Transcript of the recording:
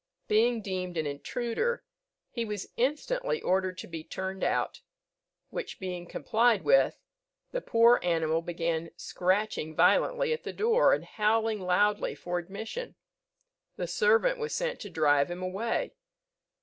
Being deemed an intruder, he was instantly ordered to be turned out; which, being complied with, the poor animal began scratching violently at the door, and howling loudly for admission. The servant was sent to drive him away.